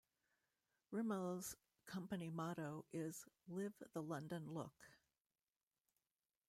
Rimmel's company motto is "Live the London Look".